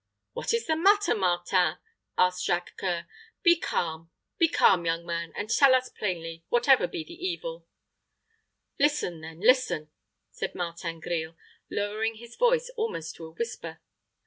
"What is the matter, Martin?" asked Jacques C[oe]ur. "Be calm, be calm young man, and tell us plainly, whatever be the evil." "Listen, then, listen," said Martin Grille, lowering his voice almost to a whisper.